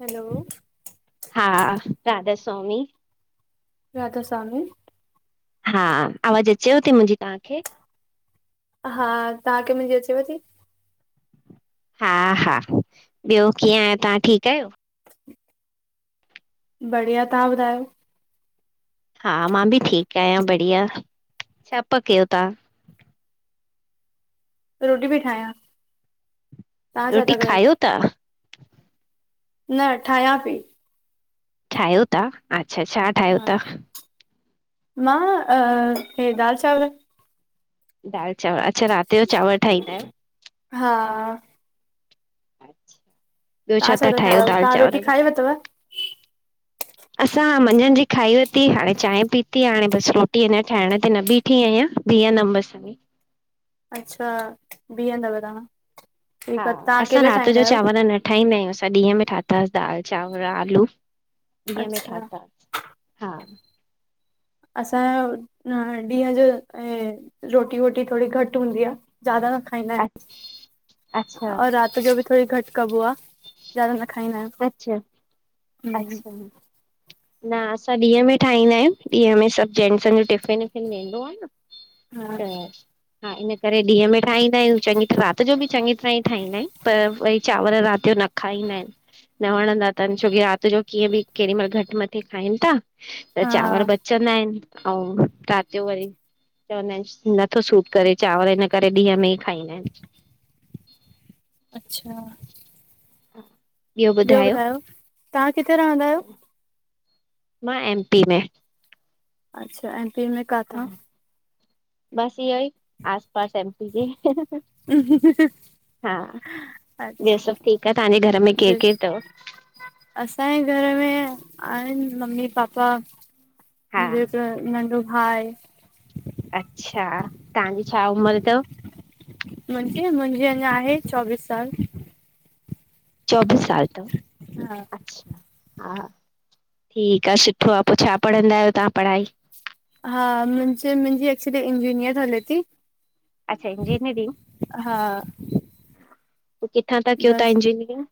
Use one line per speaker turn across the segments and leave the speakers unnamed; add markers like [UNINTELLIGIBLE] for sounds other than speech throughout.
Hello - -
हां, राधा स्वामी।
राधा स्वामी।
हां, आवाज़ अचेव थी मुंहिंजी तव्हांखे।
हां, तव्हांखे मुंहिंजी अचेव थी।
हां हां, ॿियो कीअं आयो तव्हां ठीक आहियो।
बढ़िया, तव्हां ॿुधायो।
हां, मां बि ठीक आहियां बढ़िया। छा प्या कयो तव्हां?
रोटी थी ठाहियां। तव्हां छा
रोटी
था कयो?
खायो था?
न ठाहियां पई - -
ठाहियो था, अच्छा छा था। ठाहियो
हां, मा अॼ इह दाल चावर।
दाल चावर, अच्छा रात जो चावर ठाहींदा आहियो।
हां - -
ॿियो, छा
तव्हां
था ठाहियो दाल
तव्हां रोटी
चावर
खाई
सा - -
वरितव
असां, मंझंनि जी खाई विती। हाणे चाहे पीती, हाणे बसि रोटी अ ठाहिण ते न बीठी - - ठीक आहियां, बी हदम बस।
अच्छा बी हंदव तव्हां, ठीक आ तव्हां
असां
अकेले
राति
ठाहींदा
जो
आहियो।
चांवर न ठाहींदा आहियूं, असां ॾींहं में ठाताासीं दाल चांवर, आलू। ॾींहं में
अच्छा
ठाता। हां - -
असांजो, न ॾींहं जो ऐं। रोटी वोटी, थोरी घट हूंदी आहे ज़्यादा न खाईंदा आहिन
अच्छा अच्छा
और रात। खपो बि थोरी घटि कबो आ, ज़्यादा न खाईंदा
अच्छा
आहिंन।
अच्छा न असां, ॾींहं में ठाहींदा आहियूं। ॾींहं में सभु जेेंस जो टिफ़िन विफ़िन वेंदो आहे न।
हा
त - - हां, हिन करे ॾींहं में ठाहींदा आहियूं, राति जो बि चङी तरहां ई ठाहींदा आहियूं पर वरी चांवर रात जो न। खाईंदा आहिन, न वणंदा अथन छोकी राति जो कीअं बि केॾी ममहिल घट मठे - - रोटी, खाइन था त चांवर
हा
बचंदा आहिन ऐं राति जो वरी। चवंदा आहिन नथो सूट करे चांवर, हिन करे ॾींहं में ई खाईंदा आहिन।
अच्छा - -
ॿियो ॿुधायो,
तव्हां किथे रहंदा आहियो?
मा एम पी में।
अच्छा ऐं - -एम पी में काथां?
बस इयो ई आसपास एमपी जे हा ॿियो
अच्छा
सभु ठीकु आहे तव्हांजे घर में केरु
ॿियो
केरु अथव
असांजे घर में आहिनि मम्मी पापा
हा
मुंहिंज नंढो भाई आहे।
अच्छा तव्हांजी छा उमिरि अथव?
मुंहिंज मुंहिंजे अञा आहे चोवीस साल
चोबीस साल अथव
हा
अच्छा हा ठीकु आहे सुठो आहे पोइ छा पढ़ंदा आहियो तव्हां पढ़ाई
हा मुंहिंजी एक्चुली इंजीनियर हल्लेती।
अच्छा इंजिनियरिंग?
हा
किथां ता क्यो तां
बस
इंजीनियर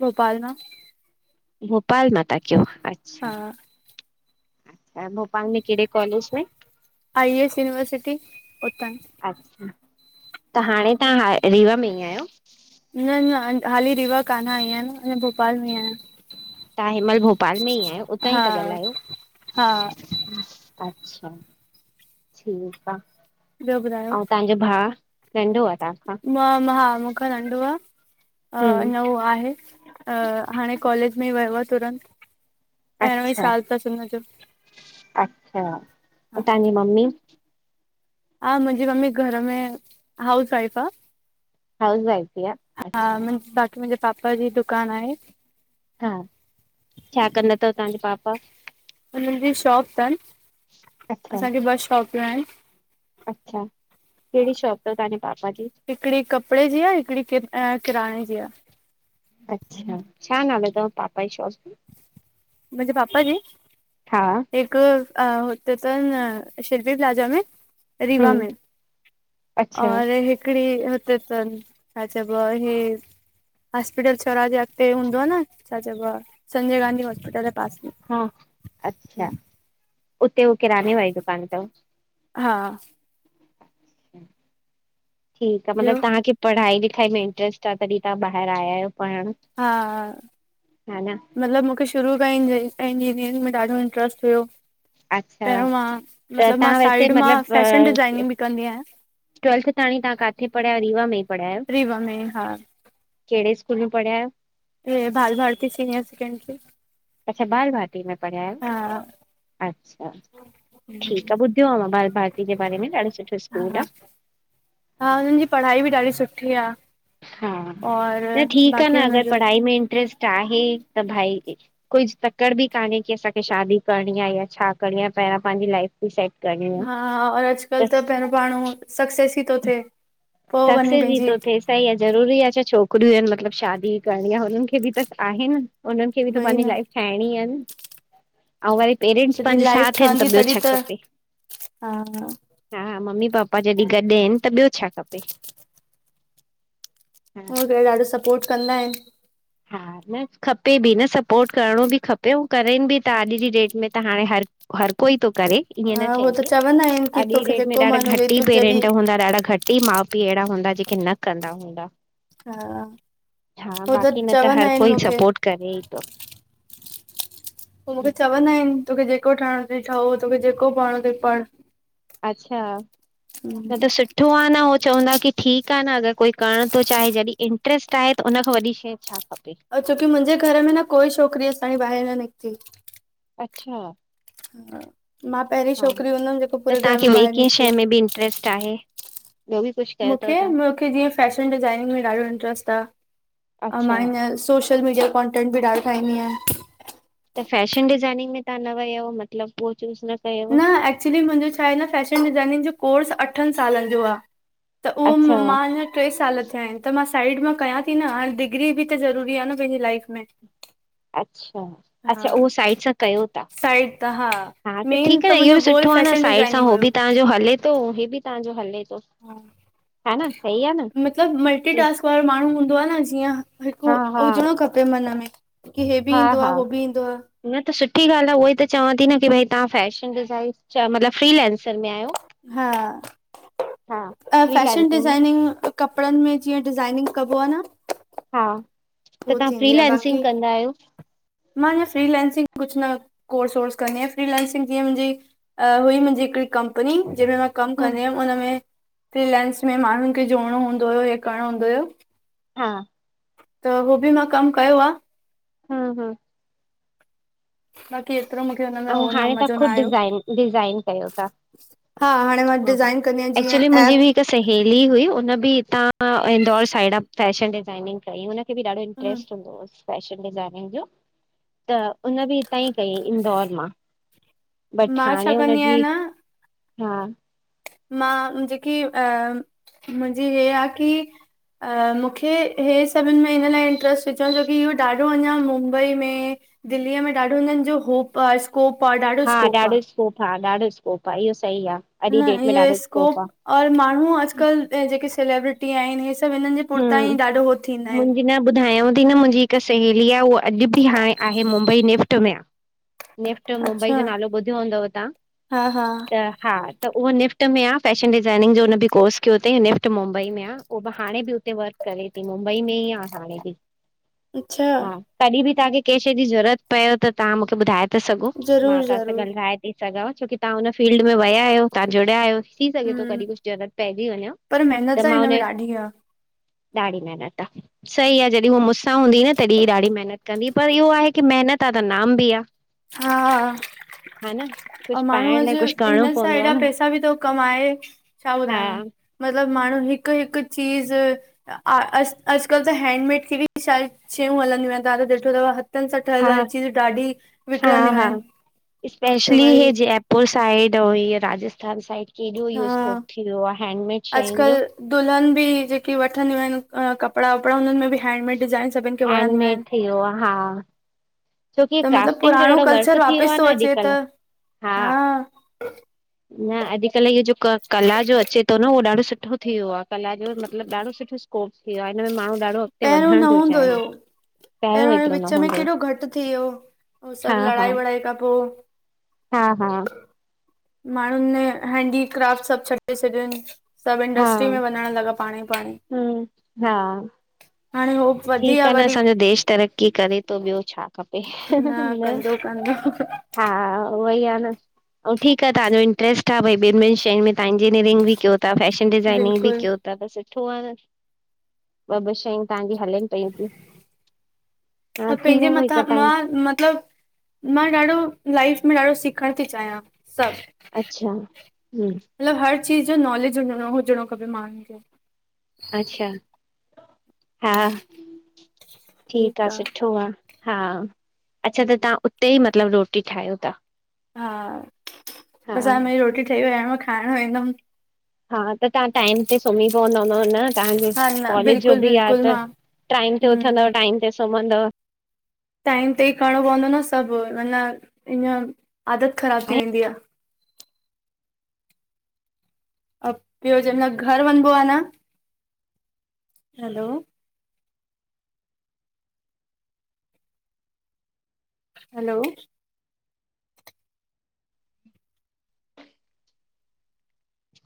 भोपाल मां
भोपाल मां ता कयुं।
हा
अच्छा भोपाल में कहिड़े कॉलेज में
आई एस यूनिवर्सिटी उतां
अच्छा त हाणे तव्हां हा रीवा में ई आहियो?
न न हाली रीवा कान्ह ऐं आहियां अञा भोपाल में ई आहियां
तव्हां हिंमहिल भोपाल में ई आहियो उतां ई
हा
था ॻाल्हायो?
हा
अच्छा ठीकु आहे
ॿियो ॿुधायो
ऐं तव्हांजो भा नंढो आहे तव्हां खां
मां हा मुख नंढ आहे अ
हम्म,
नओ आहे [UNINTELLIGIBLE] हाणे कॉलेज में वियो आहे तुरंत पहिरियों ई
अच्छा,
साल अथसि हुन जो,
अच्छा, ऐं तव्हांजी मम्मी
हा मुंहिंजी मम्मी घर में हाउस वईफ आहे।
हाउस वाइफ ई आ?
हा
अच्छा,
बाक़ी मुंहिंजे पापा जी दुकानु आहे
हा छा कंदा अथव तव्हांज पापा
हुननि जी शॉप अथनि
अच्छा,
असांखे ॿ शॉपियूं आहिनि।
अच्छा कहिड़ी शॉप अथव तव्हांजे पापा जी
हिकिड़ी कपिड़े जी आहे, हिकिड़ी किराने जी आहे
अच्छा छा नालो अथव तव्हांजे पापा जी शॉप?
मुंहिंजे बप्पा जी
हा,
हिकु अ होत त शिल्पी प्लजा में रीवा
हम्म,
में
अच्छा।
और हिकड़ी ह ब हे छा चयबो आहे। हॉस्पिटल चौराहे जे अॻिते हूंदो आहे न छा चइबो आहे, संजय गांधी हॉस्पिटल जे पासे में
हा अच्छा उते उह किराने वारी दुकान अथव
हा
ठीकु आहे
ॿियो
मतलब तव्हांखे, पढ़ाई लिखाई में इंट्रेस्ट आहे, तॾहिं तव्हां ॿाहिरि आया आहियो पढ़णु?
हा हा मतिलबु मूंखे शुरू खांं इंजीनियरिंग में ॾाढो इंट्रस्ट हुयो।
अच्छा,
पहिरों मां
त
मतलब मां
तव्हां वैसे
साइड मां
मतलब
फैशन डिजाइनिंग बि कंदी आहियां।
ट्वेल्थ ताणी तव्हां किथे पढ़ायो, रीवा में ई पढ़ायो?
रीवा में हा
कहिड़े सकूल में पढ़ियया आहो?
Bal Bharati senior secondary school -
अच्छा बालभारती में पढ़िया अयो? अच्छा ठीकु आ ॿुधियो आ मां बाल भारती जे बारे में ॾाढो सुठो स्कूल
हा
आ।
हा, हुननि जी पढ़ाई बि ॾाढी सुठी आ।
हा न ठीकु आ न अगरि
हुनजो
पढ़ाई में इंट्रेस्ट आहे त भाई कुझु तकड़ बि कान्हे की असांखे शादी करिणी आहे या छा करणी आहे पहिरां पंहिंजी लाइफ सेंट करणी। आ।
हा और अॼुकल्ह, त पहिरों माण्हू सक्सेस ई थो थे पोइ वञी
सक्सेस ई
पंहिंजी
थो थिए सही आहे ज़रूरी आहे छा छोकिरियूं आहिनि मतलबु शादी करणी आ हुननि खे बि त आहे न हुननि खे बि त
वई
पंहिंजी
न
लाइफ ठाहिणी ई आहे न अऊं वरी पेरेंट्स
जॾहिं
पंहिंजो
लाइफ
साथ आहिन त
ठहंदी
ॿियो
तॾहिं
छा खपे।
हा
हा मम्मी पापा जॾहिं गॾु आहिनि त ॿियो छा खपे। हा।
हो त ॾाढो सपोर्ट कंदा आहिन।
हा न खपे बि न सपोट करिणो बि खपे ऐं करनि बि तां अॼु जी डेट में त हाणे हर हर कोई तो करे। ईअं न
हा हो त
चइजे
चवंदा आहिनि की
अॼु ई
तोखे
डेट में
जेको
ॾाढा
मन हुजे
घटि
तूं
ई
जॾहिं
पेरेंट हूंदा ॾाढा घटि ई माउ पीउ अहिड़ा हूंदा जेके न कंदा हूंदा।
हा
हा
उ
बाक़ी
त
न त
चवंदा
हर
आहिनि
कोई
मूंखे
सपोर्ट करे ई तो।
पोइ मुखे चवंदा आहिन तोखे जेको ठहणो तई ठहो तोखे जेको पढ़णो तई पढ़।
अच्छा न त सुठ ठो आ न उहो चवंदा, की ठीकु आ न अगरि कोई करण तो चाहे, जॾहिं इंट्रस्ट आहे त उन खां वॾी शइ छा खपे।
छोकी मुंहिंजे घर में न कोई छोकिरी अॼु ताईं ॿाहिरि न निकिती।
अच्छा
हा, मां पहिरीं छोकिरी हूंदमि जेको पूरे घर में ॿाहिरि निकिती आहे।
ट्रस्ट आहे ॿियो बि कुझु कयो अथव
मुखे,
तव्हां
मुखे जीअं फैशन डिज़ाइनिंग में ॾाढो इंट्रेस्ट आ अ मां
अच्छा
ईअं सोशल सोशल मीडिया कॉटेंट बि डाढो ठाईंदीयां।
त फैशन डिज़ाइनिंग, में तहां न वयव मतलब उहो चूज़ न कयव?
एक्चुली मुंहिंजो छा आ न फैशन डिजाइनिंग, जो कोर्स अठनि सालनि जो आ त उहो
अच्छा
मां न टे साल थिया आहिन, त मां साइड मां कयां थी न हाणे डिग्री बि त ज़रूरी आ न पंहिंजी लाइफ में।
अच्छा
हा
अच्छा उहो साइड सां कयो ता
साइड त हा
हा त
मेन
ठीकु आहे न इहो
मुंहिंजो
बि
गोल
सुठो आ न
फैशन
साइड सां
डिज़ाइनिंग
हो
हुयो
बि तव्हांजो, हले तो ही बि तव्हांजो हले तो। ह न सही आ न?
मतलबु मल्टीटास्क, वारो माण्हू हूंदो आ न जीअं हिकु
हा हा
हुजणो खप पे मन में की हे बि
हा
ईंदो
हा
आ हो बि ईंदो आ।
न त सुठी ॻाल्हि, आ उहई त चवां थी न की भई तव्हां फैशन डिज़ाइन मतलबु फ्रीलेंसर में आहियो?
हा,
हा
फैशन
फ्रीलेंसिंग में,
डिज़ाइनिंग कपिड़नि में जीअं डिज़ाइनिंग कबो आ न
हा त
उहो
तां
थींदी आहे
फ्रीलेंसिंग
बाक़ी
कंदा आहियो?
मां हीअं फ्रीलेंसिंग कुझु न कोर्स वोर्स कंदी आहियां फ्रीलेंंसिंग जीअं मुंहिंजी अ हुई मुंहिंजी हिकड़ी कंपनी जंहिंमें मां कमु
हा
कंदी हुयमि, उनमें फ्रीलेंस में माण्हुनि खे जोड़णो हूंदो हुयो या करणो हूंदो हुयो।
हा
त, हो बि मां कम कयो आ।
हा हा
बाक़ी एतरो, मुखे हुनमें
ऐं
हो
हाणे तव्हां
मज़ो न
ख़ुदि
आयो।
डिज़ाइन डिज़ाइन कयो था
हा, हाणे मां डिज़ाइन कंदी आं जीअं
मुंजी
ऐप
बि हिक सहेेली हुई, उन बि हितां इंदौर साइड मां, फैशन डिजाइनिंग कई उनखे बि ॾाढो इंटरेस्ट हुंदो हो, फैशन डिजाइनिंग जो, त उन बि हितां ई कयंई। इंदौर मां, बट
मां
हाणे
छा कंदी
हुनजी,
आहियां न
हा
मां, जेकी अ मुंजी हे आ कि अ मुखे, हे सभिन में हिन लाए इंट्रेस्ट त च छोकि इहो ॾाढो अञां मुंबई में, दिल्लीअ में, ॾाढो हुनन जो होप आ स्कोप आ ॾा
हा ॾाढो स्कोप आ, ॾाढो स्कोप आ, इओ सही आ। जी
न
डेट में
इह
ॾाढो
स्कोप
आ
और माणू अॼकल जेके, सेलेब्रिटी आएन, हे सभ हिनन जे पुरतां
हम्,
ई ॾाढो हो थींदा आहिनि
मुंजी न ॿुधायांव थी न मुंजी हिक सहेली आ, उआ अॼ बि हाणे आहे मुंबई निफ्ट में आ। निफ्ट मुंबई,
अच्छा
जो नालो ॿुध्यो हूंदव ता?
हा हा
हा त उअ निफ्ट में आ, फैशन डिजाइनिंग जो हुन बि कोर्स कयो तई निफ्ट मुंबई में आ उह त हाणे बि हुते वर्क करे ती मुंबई में ही आ, हाणे बि,
अच्छा
हा। कॾी बि तांखे कैं शे जी ज़रूरत पऐ त तां मुखे ॿुधाए ता सघो, मां
ज़रूरु
तां सां
ज़रूरु
ॻलाए थी सघांव छोकि तां उन फील्ड में वया आयो, तां जुड़्या आयो। थी सघे थो
हम्म
कॾी कुछ ज़रूरत पइजी वञेव, त मां हुन
दीया
ॾाडी मेहनत आ सही आ जॾी हू मूंसां हूंदी न तॾी ही ॾाढी मेहनत कंदी ही, पर इहो आ कि मेहनत आ त नाम बि आ।
हा
हा न
अउ
कुझु
माणूं
पाइण
अॼ
लाइ कुझु करिणो
हिनन सां
पवंदो आ
हेॾा
न
पैसा बि थो कमाए, छा
हा
ॿुधायांव मतलब माणूं, हिक हिक चीज़ अॼकल त हैंडमेड खे बि छा शयूं हलंदियूं आएन, तवां त ॾिठो तव हथन सां ठयल
हा
वारी चीज़ ॾाडी
हा हा, स्पेशली
भई
हे जेप पुर साइड ऐं इ राजस्थान साइड, केॾो
हा
इओ स्कोप थी विओ आ हैंडमेड शयुन जो
अॼुकल्ह दुल्हन बि जेकी वठंदियूं आएन, अ कपड़ा वपड़ा हुनन में बि हैंडमेड डिज़ाइंस
हैंडमेड थी यो आ, हा छोकी
त मतिलबु
क्राफ्टिंग जो
पुराणो
ॾाढो वर्क
कल्चर
थी यो
वापसि
आ
थो
न
अचे
अॼकल।
त
हा न अॼकल इओ जो क कला जो अचे तो न, उहो ॾाढो सुठो थी वियो आ। कला जो मतलब ॾाढो सुठो स्कोप थी वियो आ, हिन में में माणू ॾाढो अॻते वधण तो चाहे।
पेरयों
पहिरियों
हाणे
एतिरो
विच
न
में
हूंदो हो।
केॾो घट थी विओ हो, सभ लड़ाई वड़ाई खां पो
हां हां
माणून ने, हैंडीक्राफ्ट सभ छॾे छॾयन सभ
हा
इंडस्ट्री में वञण लॻा पाणई पाणई,
हम्म
हाणे हो वधी
ठीक
आहे
आ न,
वरी
असांजो देश तरक्की करे तो ॿ्यो छा खपे, न?
ह ह
उहई आ न, अउ ठीक आ तांजो इंट्रस्ट आ भई ॿिनि ॿिनि शयुन में तां इंजीनियरिंग बि क्यो तां फैशन डिज़ाइनिंग बि
बिल्कुलु
क्यो ता, त सुठो आ न ॿ ॿ शयूं तांजी। हलेन पयुं त्यूं। हा, थी वेंदो हिक टाइम।
मतलब मां ॾाढो लाइफ में ॾाढो सिखण थी चाहयां सब।
अच्छा हम्म
मतलबु हर चीज़ जो नॉलेज न हुजिणो खपे माण्हुनि खे। [UNINTELLIGIBLE]
अच्छा हा ठीकु आ
ठीकु आहे
सुठो आ। हा अच्छा त तव्हां उते ई मतलबु रोटी ठाहियो था?
हा
हा
बस हांणे मुंहिंजी रोटी ठही वई हाणे मां खाइणु विहंदमि।
हा त तहां टाइम ते सुम्ही पवंदा हूंदव न? तव्हांजो
हा न
कॉलेज जो
बिल्कुलु
बि आ
बिल्कुलु
त
मां
ट्राइम ते
हम्म
उथंदव टाइम ते सुम्हंदव?
टाइम ते ई करणो पवंदो न सभु माना हिअं आदत ख़राबु थी वेंदी आ। अ ॿियो जेमल घर वञबो आन? हलो हलो